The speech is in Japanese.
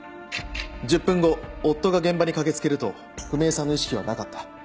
１０分後夫が現場に駆け付けると史絵さんの意識はなかった。